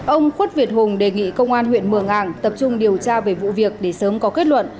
ông khuất việt hùng đề nghị công an huyện mường ảng tập trung điều tra về vụ việc để sớm có kết luận